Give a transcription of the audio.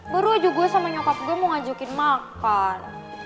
baru ajok gue sama nyokap gue mau ajokin makan